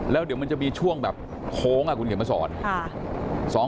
แล้วเดี๋ยวมันจะมีช่วงแบบโค้งคุณเขียนมาสอน